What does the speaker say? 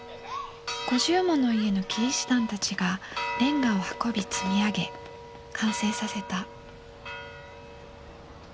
５０もの家のキリシタンたちが煉瓦を運び積み上げ完成させた。